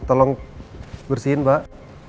mbak tolong bersihin mbak